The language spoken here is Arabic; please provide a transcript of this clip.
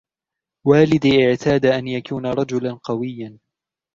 والدي اعتاد أن يكون رجلاً قوياً.